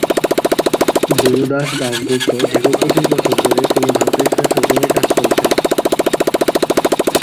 গুরুদাস দাসগুপ্ত দীর্ঘ পঁচিশ বছর ধরে তিনি ভারতের সাংসদ হিসেবে কাজ করেছেন।